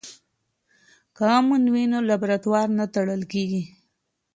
که امن وي نو لابراتوار نه تړل کیږي.